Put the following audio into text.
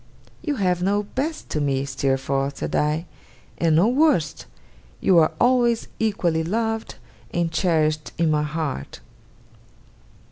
'You have no best to me, Steerforth,' said I, 'and no worst. You are always equally loved, and cherished in my heart.